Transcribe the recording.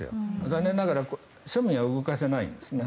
残念ながら庶民は動かせないんですね。